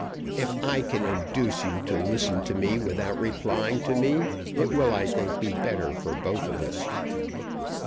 If I can induce you to listen to me without replying to me it will, I think, be better for both of us."